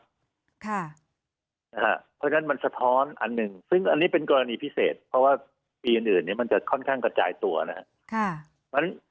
เพราะฉะนั้นมันสะท้อนอันหนึ่งซึ่งอันนี้เป็นกรณีพิเศษเพราะว่าปีอื่นมันจะค่อนข้างกระจายตัวนะครับ